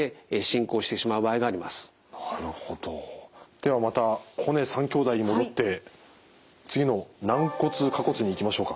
ではまた骨三兄弟に戻って次の軟骨下骨にいきましょうか。